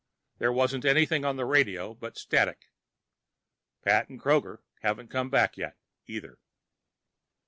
There wasn't anything on the radio but static. Pat and Kroger haven't come back yet, either.